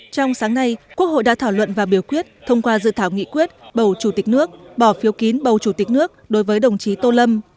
trong sáng nay quốc hội đã thảo luận và biểu quyết thông qua dự thảo nghị quyết bầu chủ tịch nước bỏ phiếu kín bầu chủ tịch nước đối với đồng chí tô lâm